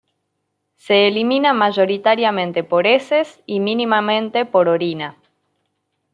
Se elimina mayoritariamente por heces y mínimamente por orina.